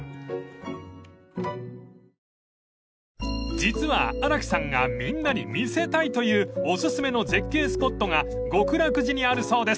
［実は荒木さんがみんなに見せたいというお薦めの絶景スポットが極楽寺にあるそうです］